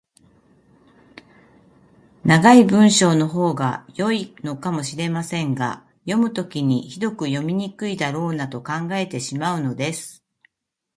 長い文章のほうが良いのかもしれませんが、読むときにひどく読みにくいだろうなと考えてしまうのです。